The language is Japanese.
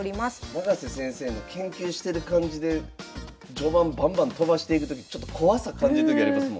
永瀬先生の研究してる感じで序盤バンバンとばしていくときちょっと怖さ感じるときありますもんね。